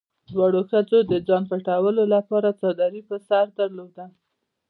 دواړو ښځو د ځان پټولو لپاره څادري په سر درلوده.